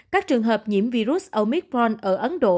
các trường hợp nhiễm virus omicron ở ấn độ